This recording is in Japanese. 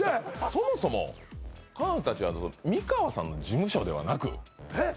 そもそも彼女達は美川さんの事務所ではなくえっ？